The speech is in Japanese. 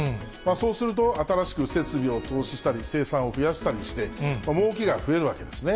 そうすると、新しく設備を投資したり、生産を増やしたりして、もうけが増えるわけですね。